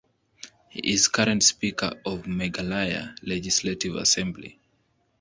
He is current speaker of Meghalaya Legislative Assembly.